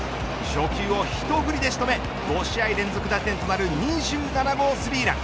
初球をひと振りで仕留め５試合連続打点となる２７号スリーラン。